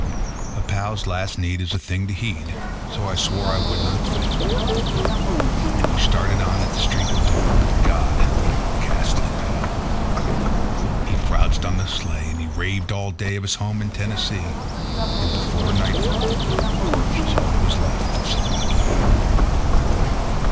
A pal's last need is a thing to heed, so I swore I would not fail; And we started on at the streak of dawn; but God! he looked ghastly pale. He crouched on the sleigh, and he raved all day of his home in Tennessee; And before nightfall a corpse was all that was left of Sam McGee.